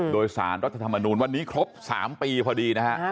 โดยสารรัฐธรรมนูลวันนี้ครบ๓ปีพอดีนะฮะ